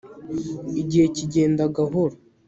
igihe kigenda gahoro